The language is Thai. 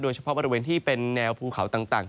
เฉพาะบริเวณที่เป็นแนวภูเขาต่าง